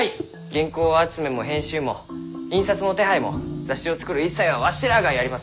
原稿集めも編集も印刷の手配も雑誌を作る一切はわしらがやりますき。